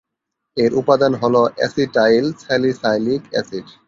এর উপাদান হলো অ্যাসিটাইল-স্যালিসাইলিক অ্যাসিড।